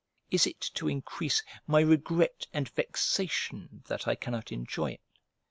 Is it to increase my regret and vexation that I cannot enjoy it?